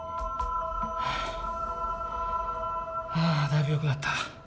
はあだいぶよくなった。